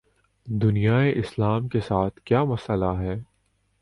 دنیائے اسلام کے ساتھ کیا مسئلہ ہے؟